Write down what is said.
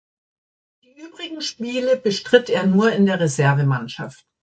Die übrigen Spiele bestritt er nur in der Reservemannschaft.